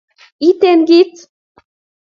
iiten kiti